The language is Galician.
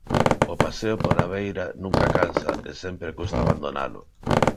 O paseo pola beira nunca cansa e sempre custa abandonalo.